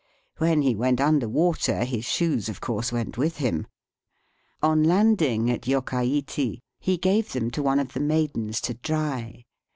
When he went under water his shoes of course went with him. On land ing at Yokkaichi he gave them to one of the maidens to dry.